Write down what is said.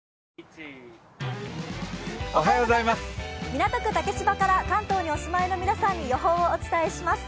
港区竹芝から、関東にお住まいの皆さんに予報をお伝えします。